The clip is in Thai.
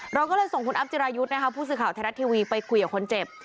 เราก็เลยส่งคุณอัพจิรายุทธ์นะคะผู้สื่อข่าวไทยรัฐทีวีไปคุยกับคนเจ็บ